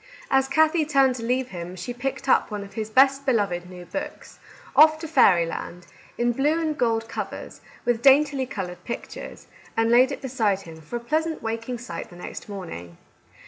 As Kathie turned to leave him, she picked up one of his best beloved new books, —" Off to Fairyland," in blue and gold covers, with daintily coloured pictures, — and laid it beside him for a pleasant waking sight the next morn ing.